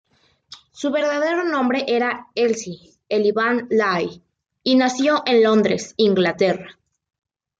Su verdadero nombre era Elsie Evelyn Lay, y nació en Londres, Inglaterra.